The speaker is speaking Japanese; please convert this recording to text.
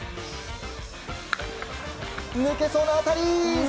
抜けそうな当たり。